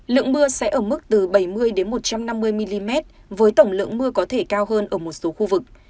lượng mưa sẽ ở mức từ bảy mươi một trăm năm mươi mm với tổng lượng mưa có thể cao hơn ở một số khu vực